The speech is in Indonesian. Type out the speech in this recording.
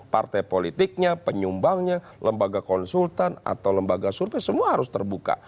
partai politiknya penyumbangnya lembaga konsultan atau lembaga survei semua harus terbuka